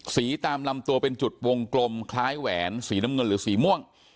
ตามลำตัวเป็นจุดวงกลมคล้ายแหวนสีน้ำเงินหรือสีม่วง